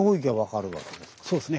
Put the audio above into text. そうですね